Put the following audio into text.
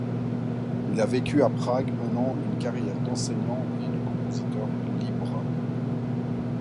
Il a vécu à Prague menant une carrière d'enseignant et de compositeur libre.